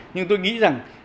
nhưng tôi nghĩ rằng